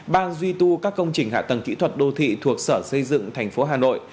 ban duy tu các công trình hạ tầng kỹ thuật đô thị thuộc sở xây dựng thành phố hà nội